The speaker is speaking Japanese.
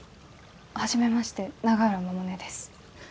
初めまして永浦百音です。